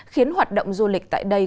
khiến hoạt động du lịch tại đây